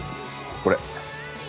これ。